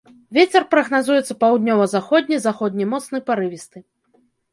Вецер прагназуецца паўднёва-заходні, заходні моцны парывісты.